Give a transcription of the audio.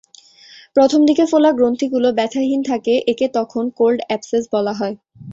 প্রথম দিকে ফোলা গ্রন্থিগুলো ব্যথাহীন থাকে—একে তখন কোল্ড অ্যাবসেস বলা হয়।